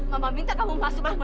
mama minta kamu masuk